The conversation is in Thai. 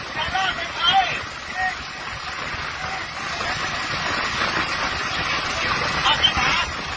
สายไม้คอยเจอรึมักแบบนี้อันนี้